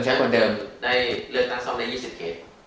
ได้เลือกตั้งซ่อมอยู่๒๐เขต